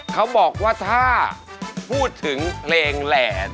เขาบอกว่าถ้าพูดถึงเพลงแหล่